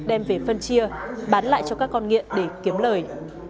đem về phân chia bán lại cho các con nghiện để kiếm lời